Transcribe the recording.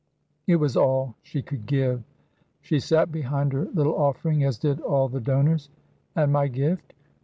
It was all she could give. She sat behind her little offering, as did all the donors. And my gift?